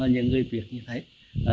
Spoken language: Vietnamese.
những người việc như thế